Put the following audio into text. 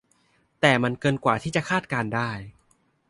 แต่มันเกินกว่าที่จะคาดการณ์ได้